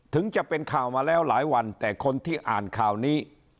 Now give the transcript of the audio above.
ถึงจะเป็นข่าวมาแล้วหลายวันแต่คนที่อ่านข่าวนี้